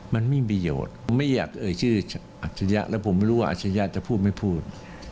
มันไม่มีประโยชน์ไม่อยากเอ่ยชื่ออัจฉริยะแล้วผมไม่รู้ว่าอัจฉริยะจะพูดไม่พูด